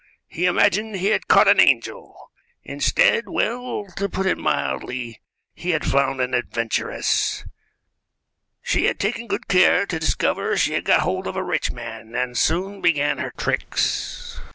He imagined he had caught an angel; instead well, to put it mildly, he had found an adventuress. She had taken good care to discover she had got hold of a rich man, and soon began her tricks.